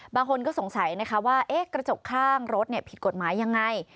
บางคนก็สงสัยนะคะว่ากระจกข้างรถผิดกฎหมายยังไง